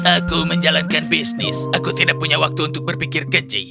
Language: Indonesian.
aku menjalankan bisnis aku tidak punya waktu untuk berpikir kecil